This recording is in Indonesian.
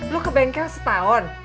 lo ke bengkel setahun